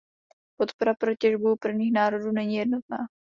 Podpora pro těžbu u prvních národů není jednotná.